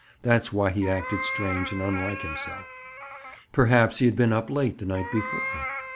That's why he acted strange and unlike himself. Perhaps he had been up late the night before.